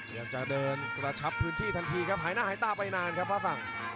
อยากจะเดินกระชับพื้นที่ทันทีครับหายหน้าหายตาไปนานครับฝ้าฝั่ง